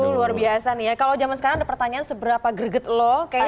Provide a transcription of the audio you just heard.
luar biasa nih ya kalau zaman sekarang pertanyaan seberapa greget lo kayaknya